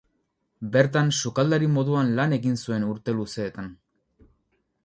Bertan, sukaldari moduan lan egin zuen urte luzeetan.